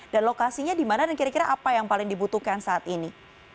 dan lokasinya di mana dan kira kira apa yang paling dibutuhkan saat ini